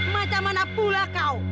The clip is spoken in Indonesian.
macam mana pula kau